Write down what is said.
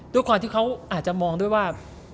ด้วยความที่เขาอาจจะมองด้วยว่า